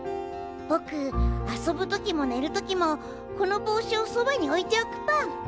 ぼくあそぶときもねるときもこのぼうしをそばにおいておくぽん！